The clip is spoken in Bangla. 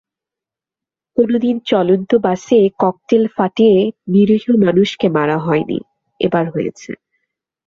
কোনো দিন চলন্ত বাসে ককটেল ফাটিয়ে নিরীহ মানুষকে মারা হয়নি, এবার হয়েছে।